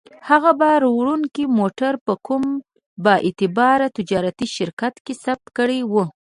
هغه باروړونکی موټر په کوم با اعتباره تجارتي شرکت کې ثبت کړی و.